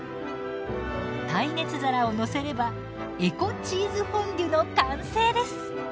耐熱皿を載せればエコ・チーズフォンデュの完成です！